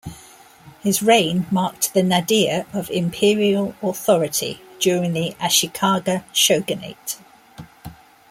His reign marked the nadir of Imperial authority during the Ashikaga shogunate.